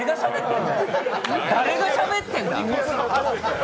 誰がしゃべってんだ？